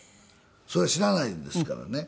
それ知らないですからね。